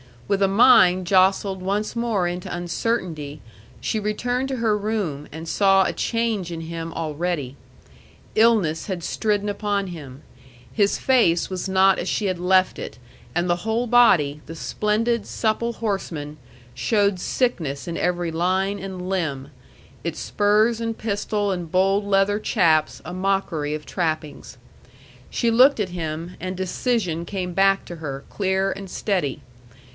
With a mind jostled once more into uncertainty, she returned to her room, and saw a change in him already. Illness had stridden upon him; his face was not as she had left it, and the whole body, the splendid supple horseman, showed sickness in every line and limb, its spurs and pistol and bold leather chaps a mockery of trappings. She looked at him, and decision came back to her, clear and steady.